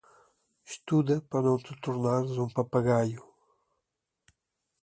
Estuda para não te tornares um papagaio.